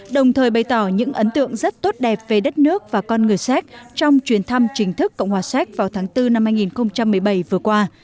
đồng thời bày tỏ những ấn tượng rất tốt đẹp về đất nước và con người séc trong chuyến thăm chính thức cộng hòa séc vào tháng bốn năm hai nghìn một mươi bảy vừa qua